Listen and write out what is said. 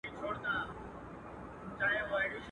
له هغه خو مي زړگی قلم قلم دئ.